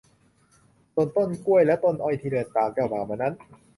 ส่วนต้นกล้วยและต้นอ้อยที่เดินตามเจ้าบ่าวมานั้น